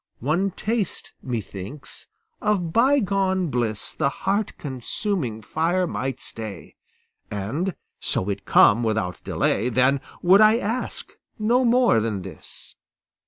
One taste, methinks, of bygone bliss The heart consuming fire might stay; And, so it come without delay, Then would I ask no more than this.